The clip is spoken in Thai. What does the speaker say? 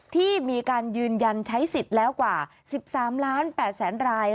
ที่มีการยืนยันใช้สิทธิ์แล้วกว่า๑๓ล้าน๘แสนราย